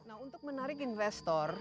nah untuk menarik investor